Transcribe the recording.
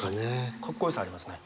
かっこよさありますね。